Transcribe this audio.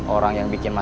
orangnya gak ada